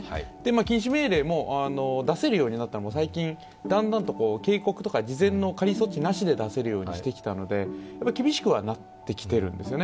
禁止命令も出せるようになったのは最近、だんだん警告とか事前の仮措置なしで出せるようにしてきたので、厳しくはなってきているんですよね。